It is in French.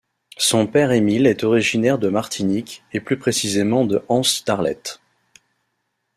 Son père Émile est originaire de Martinique, et plus précisément des Anses-d'Arlet.